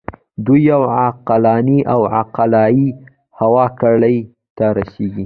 دوی یوې عقلاني او عقلایي هوکړې ته رسیږي.